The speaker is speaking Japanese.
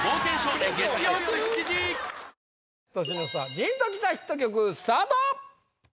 ジーンときたヒット曲スタート！